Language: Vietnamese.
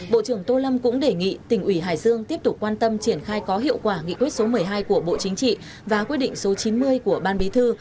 bộ trưởng tô lâm cũng đề nghị tỉnh ủy hải dương tiếp tục quan tâm triển khai có hiệu quả nghị quyết số một mươi hai của bộ chính trị và quyết định số chín mươi của ban bí thư